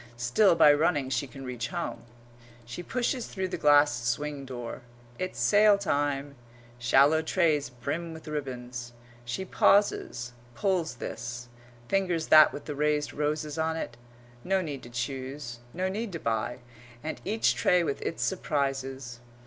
Still by running she can reach home. She pushes through the glass swing door. It's sale time. Shallow trays brim with ribbons. She pauses, pulls this, fingers that with the raised roses on it no need to choose, no need to buy, and each tray with its surprises.